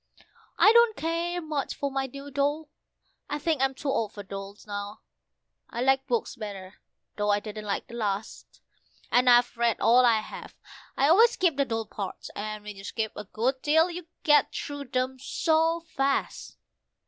I don't care much for my new doll I think I'm too old for dolls now; I like books better, though I didn't like the last, And I've read all I have: I always skip the dull parts, and when you skip a good deal you get through them so fast.